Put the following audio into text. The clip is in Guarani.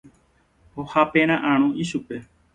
ohapera'ãrõ ichupe.